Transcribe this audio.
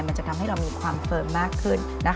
มันจะทำให้เรามีความเฟิร์มมากขึ้น